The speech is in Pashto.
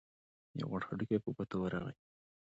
يو غټ هډوکی په ګوتو ورغی.